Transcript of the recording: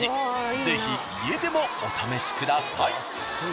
ぜひ家でもお試しください。